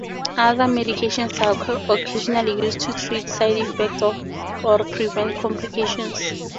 Other medications are occasionally used to treat side effects or prevent complications.